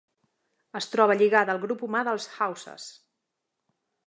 Es troba lligada al grup humà dels hausses.